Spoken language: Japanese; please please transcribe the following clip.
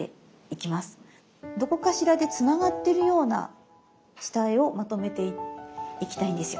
どこかしらでつながってるような下絵をまとめていきたいんですよ。